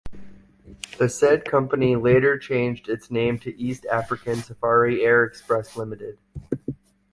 The said company later changed its name to East African Safari Air Express Limited.